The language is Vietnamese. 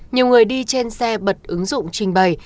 nhiều người đi trên xe bật ứng dụng trình bày